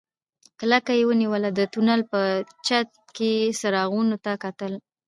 کلکه يې ونيوله د تونل په چت کې څراغونو ته کتل.